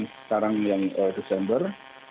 sekarang yang desember